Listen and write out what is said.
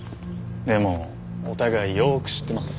でもお互いよーく知ってます。